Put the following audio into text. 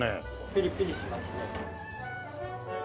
ピリピリしますね。